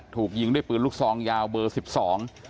ถูกยิงด้วยปืนลูกซองยาวเบอร์สิบสอง